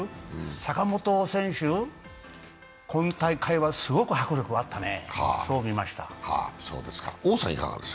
坂本選手、今大会はすごく迫力があったね、そう見ました。